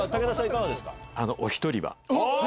いかがですか？